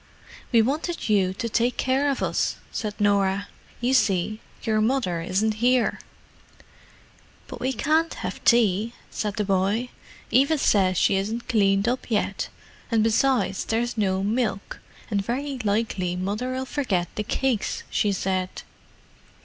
"We wanted you to take care of us," said Norah. "You see, your mother isn't here." "But we can't have tea," said the boy. "Eva says she isn't cleaned up yet, and besides, there's no milk, and very likely Mother'll forget the cakes, she said."